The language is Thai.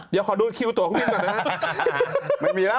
เดี๋ยวขอดูคิวตัวข้างด้านนี้หน่อยนะฮะ